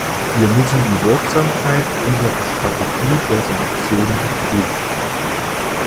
Wir müssen die Wirksamkeit unserer Strategie der Sanktionen prüfen.